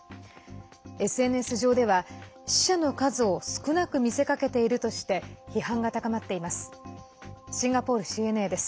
ＳＮＳ上では死者の数を少なく見せかけているとして批判が高まっています。